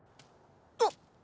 あっ！